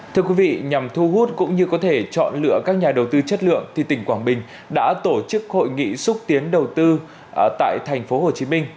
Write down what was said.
thưa quý vị nhằm thu hút cũng như có thể chọn lựa các nhà đầu tư chất lượng tỉnh quảng bình đã tổ chức hội nghị xúc tiến đầu tư tại tp hcm